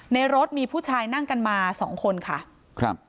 ในรถมีผู้ชายนั่งกันมาสองคนค่ะครับ